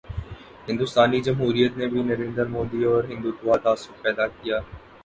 ہندوستانی جمہوریت نے بھی نریندر مودی اورہندوانہ تعصب پیدا کیا۔